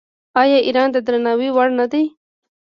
آیا ایران د درناوي وړ نه دی؟